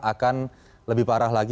akan lebih parah lagi